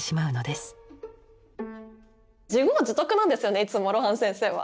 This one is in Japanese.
自業自得なんですよねいつも露伴先生は。